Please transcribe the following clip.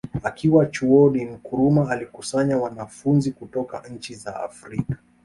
Akiwa Chuoni Nkrumah alikusanya wanafunzi kutoka nchi za Afrika